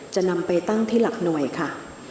จะนำไปตั้งที่หลักหน่วยค่ะ